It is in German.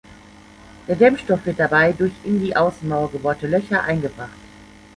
Der Dämmstoff wird dabei durch in die Außenmauer gebohrte Löcher eingebracht.